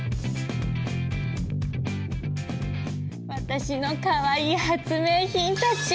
私のかわいい発明品たち。